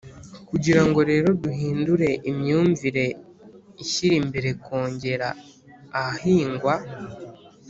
kugirango rero duhindure imyumvire ishyira imbere kongera ahahingwa,